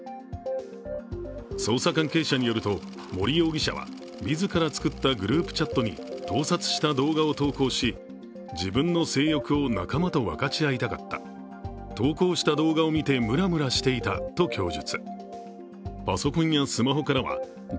捜査関係者によると、森容疑者は自ら作ったグループチャットに盗撮した動画を投稿し、自分の性欲を仲間と分かち合いたかった、投稿した動画を見てムラムラしていたと供述。